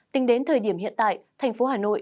tính đến thời điểm hiện tại thành phố hà nội